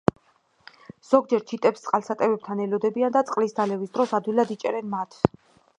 ზოგჯერ ჩიტებს წყალსატევებთან ელოდებიან და წყლის დალევის დროს ადვილად იჭერენ მათ.